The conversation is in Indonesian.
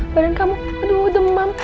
barang kamu aduh demam